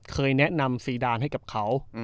เคยแนะนำซีดานให้กับเขา